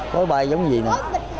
khói bài giống gì nè